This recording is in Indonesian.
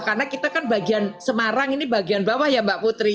karena kita kan bagian semarang ini bagian bawah ya mbak putri